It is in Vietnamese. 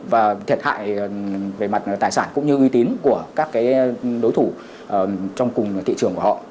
và thiệt hại về mặt tài sản cũng như uy tín của các đối thủ trong cùng thị trường của họ